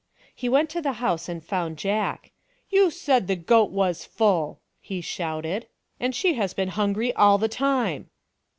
He went to the house and found Jack. " You said the goat was full !" he shouted, " and she has been hungry all the time."